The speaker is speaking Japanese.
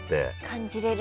感じれる。